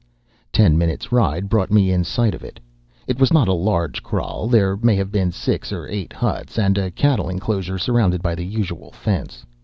Ten minutes' ride brought me in sight of it. It was not a large kraal; there may have been six or eight huts and a cattle enclosure surrounded by the usual fence.